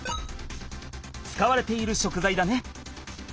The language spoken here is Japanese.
使われている食材だね。